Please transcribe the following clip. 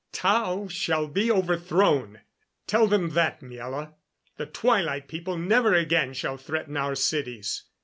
"Tao shall be overthrown tell them that, Miela. The Twilight People never again shall threaten our cities.